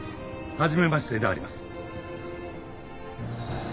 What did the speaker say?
はじめましてであります。